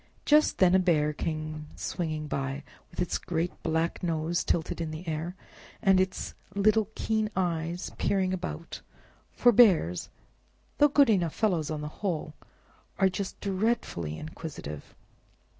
Just then a Bear came swinging by, with its great black nose tilted in the air, and its little keen eyes peering about; for bears, though good enough fellows on the whole, are just dreadfully inquisitive.